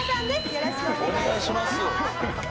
よろしくお願いします。